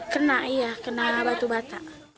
kena iya kena batu bata